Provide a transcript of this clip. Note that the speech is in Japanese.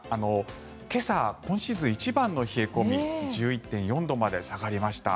今朝、今シーズン一番の冷え込み１１．４度まで下がりました。